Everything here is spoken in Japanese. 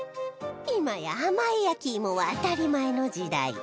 今や甘い焼き芋は当たり前の時代